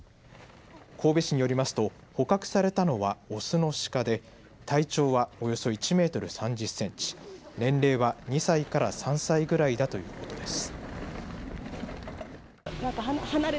神戸市によりますと捕獲されたのはオスのシカで体長はおよそ１メートル３０センチ年齢は２歳から３歳ぐらいだということです。